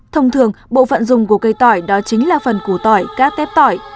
thông thường bộ phận dùng của cây tỏi đó chính là phần củ tỏi cát tép tỏi